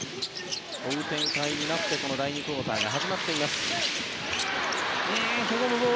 追う展開になって第２クオーターが始まりました。